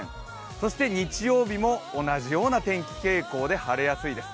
そして日曜日も同じような天気傾向で晴れやすいです。